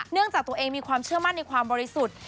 จากตัวเองมีความเชื่อมั่นในความบริสุทธิ์